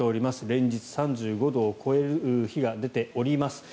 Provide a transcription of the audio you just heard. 連日３５度を超える日が出ております。